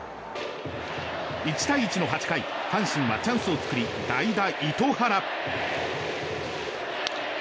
１対１の８回阪神はチャンスを作り代打、糸原。